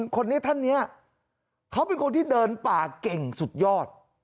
คนนี้ท่านนี้เขาเป็นคนที่เดินป่าเก่งสุดยอด